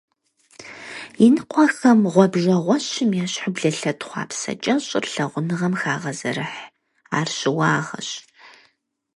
Иныкъуэхэм гъуэбжэгъуэщым ещхьу блэлъэт хъуапсэ кӀэщӀыр лъагъуныгъэм хагъэзэрыхь, ар щыуагъэщ.